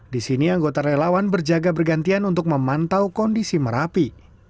di sini anggota relawan berjaga bergantian untuk memantau kondisi merapi